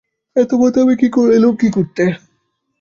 এত পথ আমি এলুম কী করতে?